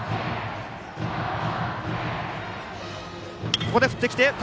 ここで振ってきた！